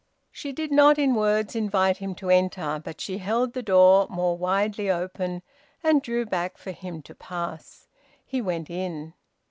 She did not in words invite him to enter, but she held the door more widely open and drew back for him to pass. He went in.